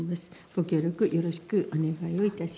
ご協力よろしくお願いをいたし